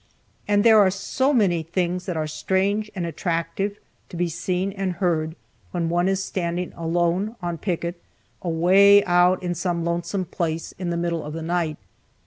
And there are so many things that are strange and attractive, to be seen and heard, when one is standing alone on picket, away out in some lonesome place, in the middle of the night.